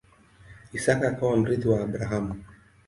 Isaka akawa mrithi wa Abrahamu.